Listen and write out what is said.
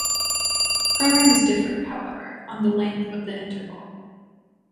Programs differ, however, on the length of the interval.